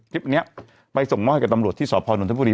คลิปนี้ไปส่งมอบให้กับตำรวจที่สพนนทบุรี